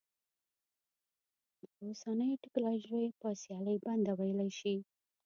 د اوسنیو ټکنالوژیو په سیالۍ بنده ویلی شي.